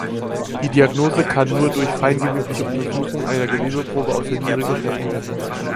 Die Diagnose kann nur durch feingewebliche Untersuchung einer Gewebeprobe aus der Niere gestellt werden.